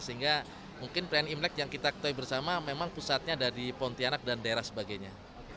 sehingga mungkin perayaan imlek yang kita ketahui bersama memang pusatnya ada di pontianak dan daerah sebagainya